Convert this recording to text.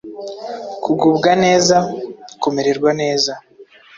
Kugubwa neza: kumererwa neza